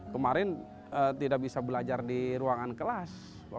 kemarin tidak bisa belajar di ruangan kelas